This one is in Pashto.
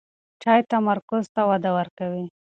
چای تمرکز ته وده ورکوي.